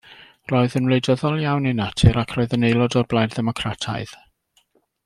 Roedd yn wleidyddol iawn ei natur, ac roedd yn aelod o'r Blaid Ddemocrataidd.